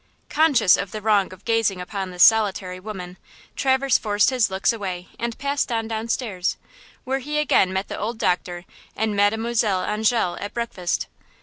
Conscious of the wrong of gazing upon this solitary woman, Traverse forced his looks away and passed on down stairs, where he again met the old doctor and Mademoiselle Angele at breakfast.